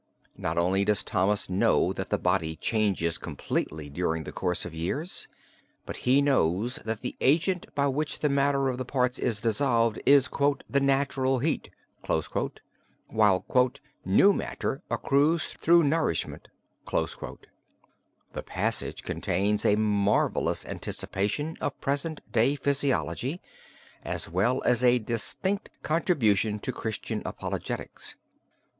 Not only does Thomas know that the body changes completely during the course of years, but he knows that the agent by which the matter of the parts is dissolved is "the natural heat," while "new matter accrues through nourishment." The passage contains a marvelous anticipation of present day physiology as well as a distinct contribution to Christian apologetics.